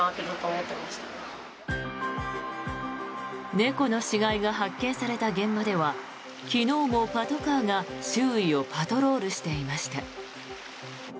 猫の死骸が発見された現場では昨日もパトカーが周囲をパトロールしていました。